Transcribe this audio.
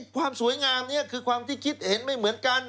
ความสวยงามนี้คือความที่คิดเห็นไม่เหมือนกัน